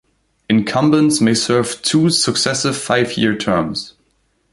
Incumbents may serve two successive five-year terms.